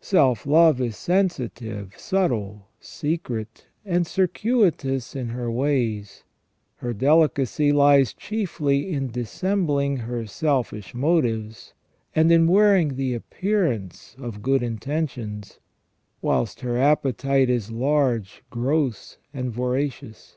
Self love is sensitive, subtle, secret, and circuitous in her ways ; her delicacy lies chiefly in dissembling her selfish motives, and in wearing the appearance of good intentions ; whilst her appetite is large, gross, and voracious.